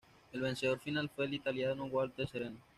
El vencedor final fue el italiano Walter Serena.